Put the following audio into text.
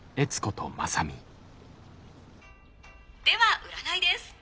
「では占いです。